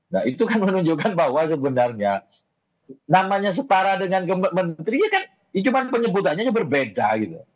nah itu kan menunjukkan bahwa sebenarnya namanya setara dengan menterinya kan cuma penyebutannya berbeda gitu